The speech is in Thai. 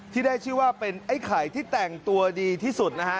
ที่ได้ชื่อว่าเป็นไอ้ไข่ที่แต่งตัวดีที่สุดนะฮะ